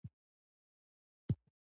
د ټولګیوالو په وړاندې دې ولولي.